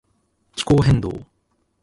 気候変動